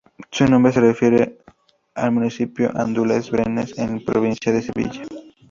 Su nombre se refiere al municipio andaluz de Brenes, en la provincia de Sevilla.